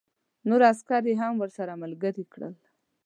نور عسکر یې هم ورسره ملګري کړل